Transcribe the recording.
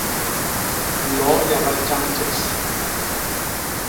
Loo yaga tjañtjes.